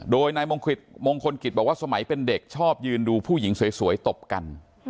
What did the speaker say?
โดยนายมงคลกิจบอกว่าสมัยเป็นเด็กชอบยืนดูผู้หญิงสวยตบกัน